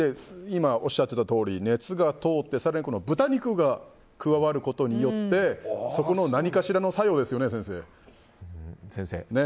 今、おっしゃっていたとおり熱が通って更に豚肉が加わることによってそこの何かしらの作用ですよね先生。ね？